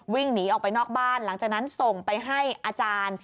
วิ่งหนีออกไปนอกบ้านหลังจากนั้นส่งไปให้อาจารย์